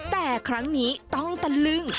แต่ครั้งนี้ต้องตะลึง